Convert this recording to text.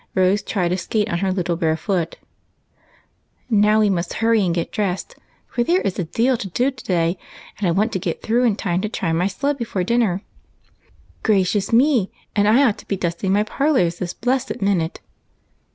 Rose tried a skate on her little bare foot, while Phebe stood by admiring the pretty tableau. "Now we must hun y and get dressed, for there is a deal to do to day, and I want to get through in time to try my sled before dinner." " Gracious me, and I ought to be dusting my par lors this blessed minute